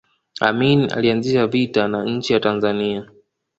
amin alianzisha vita na nchi ya tanzania